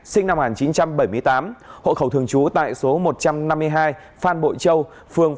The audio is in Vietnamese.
sinh năm một nghìn chín trăm bảy mươi tám hộ khẩu thường trú tại số một trăm năm mươi hai phan bội châu